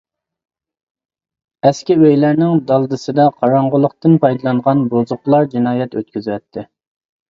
ئەسكى ئۆيلەرنىڭ دالدىسىدا-قاراڭغۇلۇقتىن پايدىلانغان بۇزۇقلار جىنايەت ئۆتكۈزەتتى.